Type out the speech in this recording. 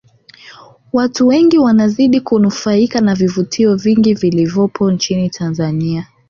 Watu wengi wanazidi kunufaika na vivutio vingi vilivopo nchini Tanzania